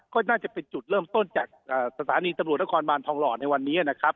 ก็น่าจะเป็นจุดเริ่มต้นจากสถานีตำรวจนครบานทองหล่อในวันนี้นะครับ